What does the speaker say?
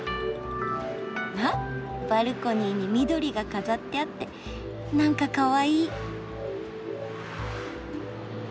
あっバルコニーに緑が飾ってあってなんかかわいい。